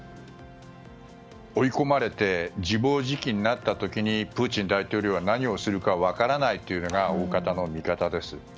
追い込まれて自暴自棄になった時にプーチン大統領は何をするか分からないというのが大方の見方です。